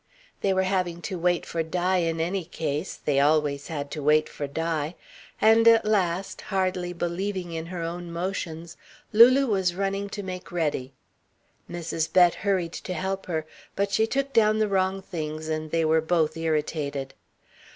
They were having to wait for Di in any case they always had to wait for Di and at last, hardly believing in her own motions, Lulu was running to make ready. Mrs. Bett hurried to help her, but she took down the wrong things and they were both irritated.